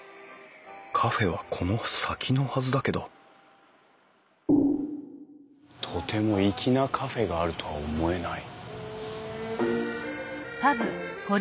カフェはこの先のはずだけどとても粋なカフェがあるとは思えない。